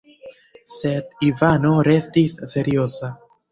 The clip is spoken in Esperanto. Sed Ivano restis serioza.